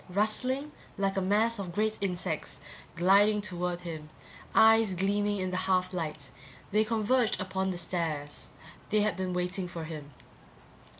Rustling like a mass of great insects, gliding toward him, eyes gleaming in the half light, they converged upon the stairs. They had been waiting for him.